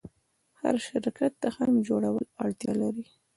هر شرکت د ښه نوم جوړولو اړتیا لري.